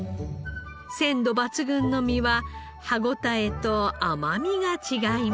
鮮度抜群の身は歯応えと甘みが違います。